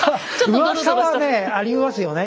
うわさはねありますよね